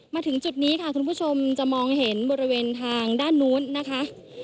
มาถึงจุดนี้ค่ะคุณผู้ชมจะมองเห็นบริเวณทางด้านนู้นนะคะ